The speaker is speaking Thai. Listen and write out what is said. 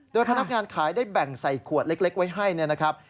โดยพนักงานขายได้แบ่งใส่ขวดเล็กไว้ให้นะครับ